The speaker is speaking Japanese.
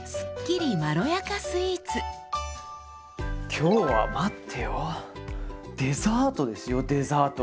今日は待ってよデザートですよデザート！